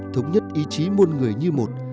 thống nhất ý chí môn người như một